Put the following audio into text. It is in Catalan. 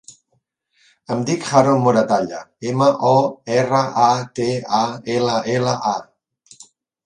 Em dic Haron Moratalla: ema, o, erra, a, te, a, ela, ela, a.